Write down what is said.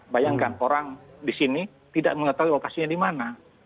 bayangkan orang di sini tidak mengetahui lokasinya di mana